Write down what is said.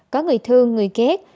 có người thương người ghét